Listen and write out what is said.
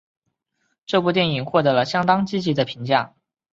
这部电影获得了相当积极的评价。